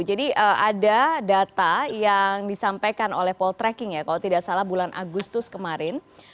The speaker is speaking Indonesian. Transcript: jadi ada data yang disampaikan oleh poltreking kalau tidak salah bulan agustus kemarin